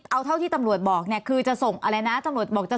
เอาเท่าที่ตำรวจบอกคือจะส่งฟ้องเวลานะคะ